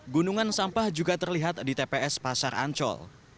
gunungan sampah juga terlihat di tps pasar ancol